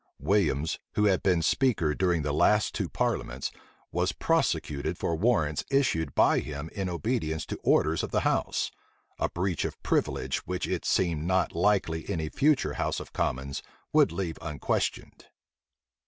Williams, who had been speaker during the two last parliaments, was prosecuted for warrants issued by him in obedience to orders of the house: a breach of privilege which it seemed not likely any future house of commons would leave unquestioned.